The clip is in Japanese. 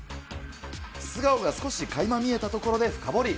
素顔が少しかいま見えたところで深掘り。